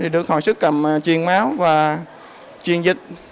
được hồi sức cầm chiền máu